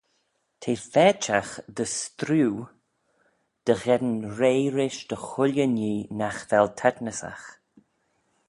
T'eh faitagh dy streeu dy gheddyn rea rish dy chooilley nhee nagh vel taitnysagh.